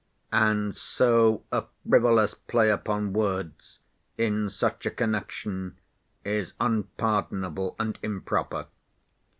And so a frivolous play upon words in such a connection is unpardonable and improper.